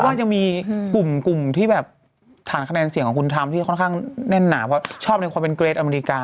ว่ายังมีกลุ่มที่แบบฐานคะแนนเสียงของคุณทำที่ค่อนข้างแน่นหนาเพราะชอบในความเป็นเกรทอเมริกา